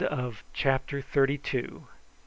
CHAPTER THIRTY THREE.